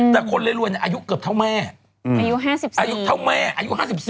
แต่คนรวยรวยเนี่ยอายุเกือบเท่าแม่อายุเท่าแม่อายุ๕๔